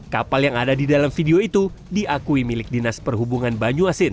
kapal yang ada di dalam video itu diakui milik dinas perhubungan banyuasin